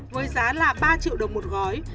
với giá là ba triệu đồng một gói